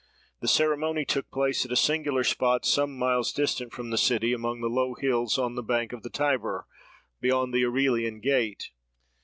The ceremony took place at a singular spot some miles distant from the city, among the low hills on the bank of the Tiber, beyond the Aurelian Gate.